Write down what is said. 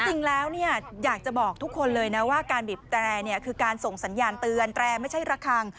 จริงแล้วอยากจะบอกทุกคนเลยนะว่าการบีบแตรคือการส่งสัญญาณเตือนแตรไม่ใช่ระคัง